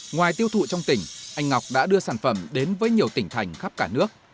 ngoài tiêu thụ trong tỉnh anh ngọc đã đưa sản phẩm đến với nhiều tỉnh thành khắp cả nước